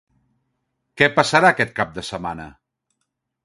Què passarà aquest cap de setmana?